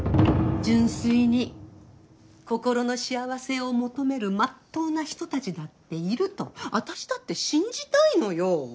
純粋に心の幸せを求めるまっとうな人たちだっているとあたしだって信じたいのよ。